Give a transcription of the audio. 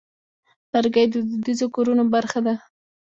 لرګی د دودیزو کورونو برخه ده.